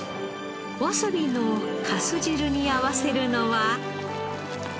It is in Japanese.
わさびのかす汁に合わせるのは。